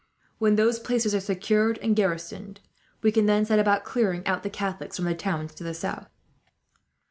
When those places are secured and garrisoned, we can then set about clearing out the Catholics from the towns to the south."